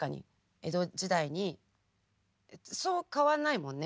江戸時代にそう変わらないもんね？